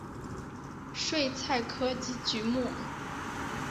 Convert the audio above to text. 睡菜科及菊目。